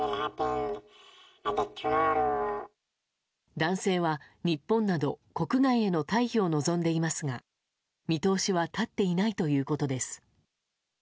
男性は日本など国外への退避を望んでいますが見通しは立っていないということです。